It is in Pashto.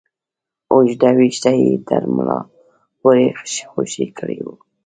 اوږده ويښته يې تر ملا پورې خوشې کړي وو.